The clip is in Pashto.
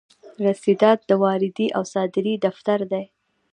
رسیدات د واردې او صادرې دفتر دی.